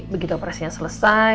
begitu operasinya selesai